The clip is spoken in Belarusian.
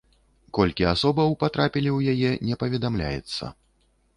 Колькі асобаў патрапілі ў яе, не паведамляецца.